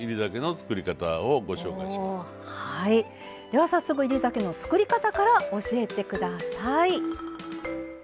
では早速煎り酒の作り方から教えて下さい。